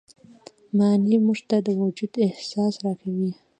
معنی موږ ته د وجود احساس راکوي.